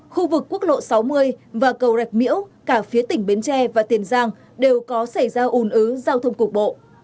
khu vực quốc lộ sáu mươi và cầu rạch miễu cả phía tỉnh bến tre và tiền giang đều có xảy ra ủn ứ giao thông cục bộ